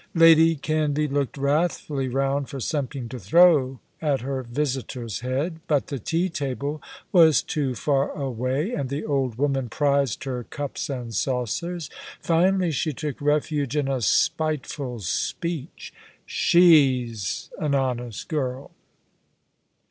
Lady Canvey looked wrathfully round for something to throw at her visitor's head. But the tea table was too far away, and the old woman prized her cups and saucers. Finally she took refuge in a spiteful speech. "She's an honest girl."